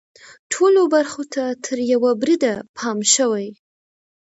ټولو برخو ته تر یوه بریده پام شوی.